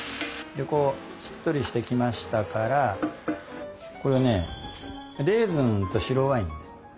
でこうしっとりしてきましたからこれねレーズンと白ワインです。